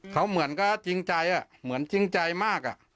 เขาเหมือนก็จริงใจเหมือนจริงใจมาก